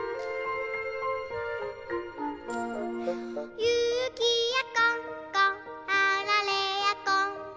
「ゆきやこんこあられやこんこ」